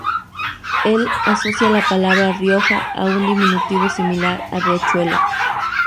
Él asocia la palabra "rioja" a un diminutivo similar a riachuelo.